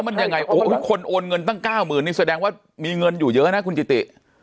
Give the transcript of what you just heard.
แล้วมันยังไงคนโอนเงินตั้ง๙๐๐๐๐นี่แสดงว่ามีเงินอยู่เยอะนะคุณจิติ